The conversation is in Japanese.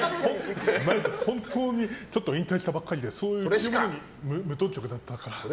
本当に引退したばっかりでそういう着るものに無頓着だったから。